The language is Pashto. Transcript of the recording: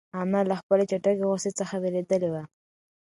انا له خپلې چټکې غوسې څخه وېرېدلې وه.